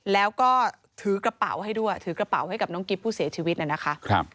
แล้วก็ถือกระเป๋าให้ด้วยถือกระเป๋าให้กับน้องกิ๊บผู้เสียชีวิตเนี่ยนะคะ